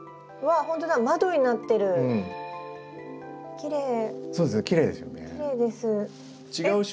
きれいですよね。